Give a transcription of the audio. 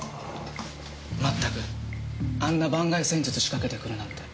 まったくあんな盤外戦術仕掛けてくるなんて。